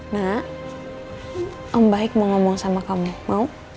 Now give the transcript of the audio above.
nah om baik mau ngomong sama kamu mau